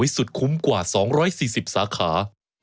สุดคุ้มกว่า๒๔๐สาขา